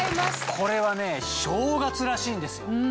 これはね正月らしいんですよ。